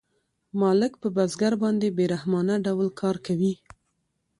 مالک په بزګر باندې په بې رحمانه ډول کار کوي